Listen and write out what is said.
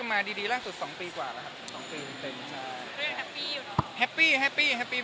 ห้ามตุ๊งแค่อย่างเดียวแล้วเล่นแย่บคาย